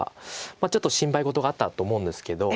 ちょっと心配事があったと思うんですけど。